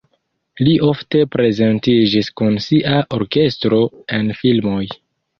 Li ofte prezentiĝis kun sia orkestro en filmoj.